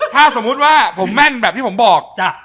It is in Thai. ถ้าสมมุติว่าผมแม่นแบบที่ผมบอกจ้ะ